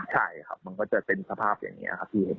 ใช่ครับมันก็จะเป็นสภาพอย่างนี้ครับพี่